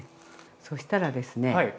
そしたらですね